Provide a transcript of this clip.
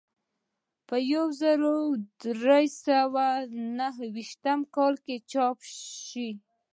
په یو زر درې سوه نهه ویشت کال کې چاپ شوی.